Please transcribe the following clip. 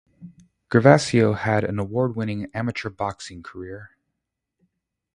Gervacio had an award winning amateur boxing career.